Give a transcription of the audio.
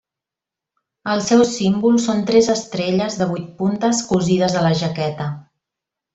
El seu símbol són tres estrelles de vuit puntes cosides a la jaqueta.